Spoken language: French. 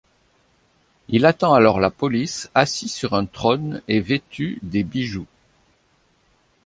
Il attend alors la police assis sur un trône et vêtu des bijoux.